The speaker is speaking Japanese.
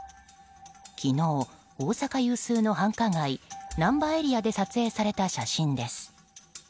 昨日、大阪有数の繁華街難波エリアで撮影された写真です。